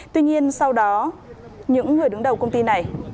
tuy nhiên sau đó những người đứng đầu công ty này